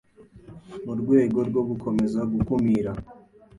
mu rwego rwo gukomeza gukumira